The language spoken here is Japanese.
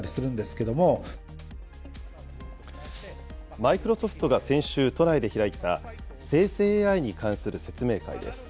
マイクロソフトが先週、都内で開いた、生成ＡＩに関する説明会です。